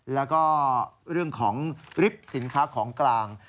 และเรื่องของริบสินค้าของกลาง